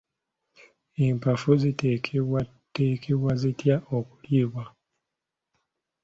Empafu ziteekebwateekebwa zitya okuliibwa?